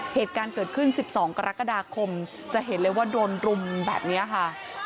เหตุการณ์เกิดขึ้น๑๒กรกฎาคมจะเห็นเลยว่าโดนรุมแบบนี้ค่ะ